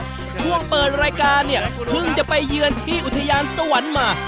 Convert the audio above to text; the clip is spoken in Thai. ช่วงเปิดรายการเนี่ยเพิ่งจะไปเยือนที่อุทยานสวรรค์มา